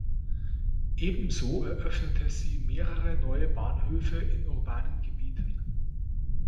Ebenso eröffnete sie mehrere neue Bahnhöfe in urbanen Gebieten.